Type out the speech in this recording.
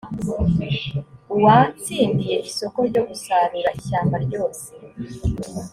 uwatsindiye isoko ryo gusarura ishyamba ryose